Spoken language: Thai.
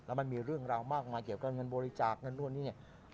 แล้วมันมีเรื่องราวมากมายเกี่ยวกับเงินบริจาคเงินนู่นนี่เนี่ย